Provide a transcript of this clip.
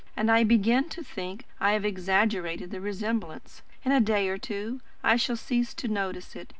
And I begin to think I have exaggerated the resemblance. In a day or two, I shall cease to notice it.